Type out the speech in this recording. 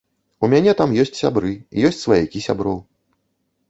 У мяне там ёсць сябры, ёсць сваякі сяброў.